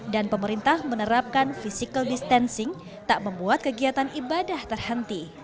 dan pemerintah menerapkan physical distancing tak membuat kegiatan ibadah terhenti